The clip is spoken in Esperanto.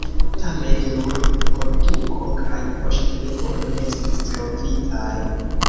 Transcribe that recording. Tamen nur koltuko kaj poŝtelefono estis trovitaj.